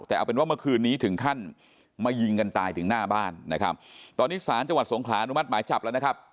แต่เอาเป็นว่าเมื่อคืนนี้ถึงขั้นมายิงกันตายถึงหน้าบ้านนะครับตอนนี้ศาลจังหวัดสงขลาอนุมัติหมายจับแล้วนะครับ